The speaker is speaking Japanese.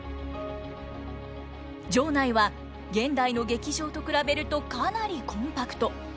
場内は現代の劇場と比べるとかなりコンパクト。